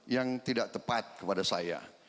yang tidak tepat kepada saya